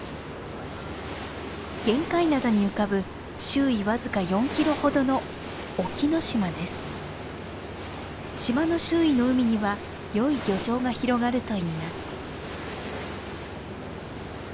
玄界灘に浮かぶ周囲僅か４キロほどの島の周囲の海にはよい漁場が広がるといいます。